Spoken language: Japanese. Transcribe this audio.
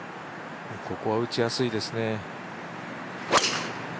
ここは打ちやすいですね。